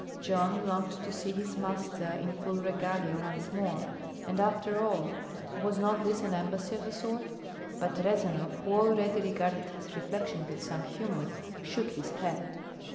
Jon longed to see his master in full regalia once more, and after all, was not this an embassy of a sort? But Rezanov, who already regarded his reflection with some humor, shook his head.